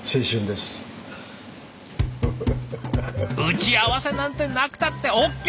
打ち合わせなんてなくたってＯＫ！